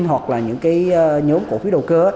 hoặc là những cái nhóm cổ phiếu đầu cơ